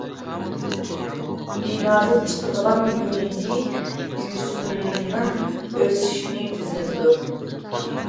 بىنادىن چىقىدىغان يۇندى يۈسۈننىڭ ئۆسۈشىنى تېزلىتىدۇ.